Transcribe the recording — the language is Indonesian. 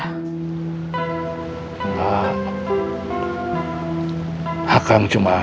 kamu bisa mencari saya